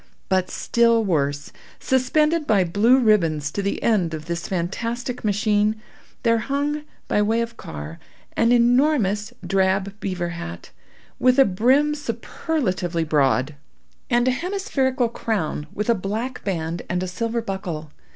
But still worse. Suspended by blue ribbons to the end of this fantastic machine, there hung, by way of car, an enormous drab beaver hat, with a brim superlatively broad, and a hemispherical crown with a black band and a silver buckle.